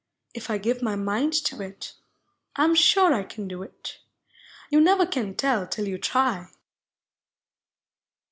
If I give my mind to it, I 'm sure I can do it — Yon never can tell till yon try."